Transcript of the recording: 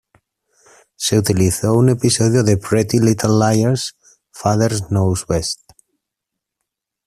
Se utilizó en un episodio de "Pretty Little Liars", "Father Knows Best".